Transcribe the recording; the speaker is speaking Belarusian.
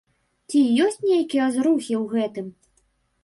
Ці ёсць нейкія зрухі ў гэтым?